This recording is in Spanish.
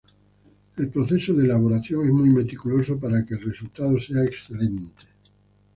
El proceso de elaboración es muy meticuloso para que el resultado sea excelente.